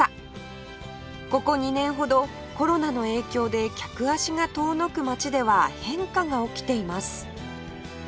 ここ２年ほどコロナの影響で客足が遠のく街では変化が起きています